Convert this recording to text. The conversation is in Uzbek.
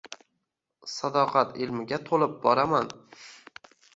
Sadoqat ilmiga tolib bo‘laman